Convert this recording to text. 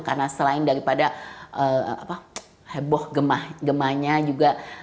karena selain daripada heboh gemahnya juga